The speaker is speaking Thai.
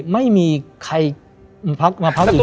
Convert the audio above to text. ไม่มีใครพักมาพักอีกเลย